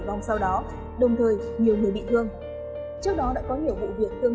vong sau đó đồng thời nhiều người bị thương trước đó đã có nhiều vụ việc tương tự xảy ra có cả những